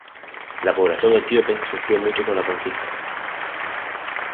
La población etíope sufrió mucho con la conquista.